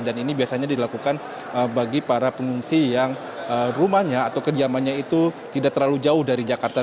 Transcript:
dan ini biasanya dilakukan bagi para pengungsi yang rumahnya atau kediamannya itu tidak terlalu jauh dari jakarta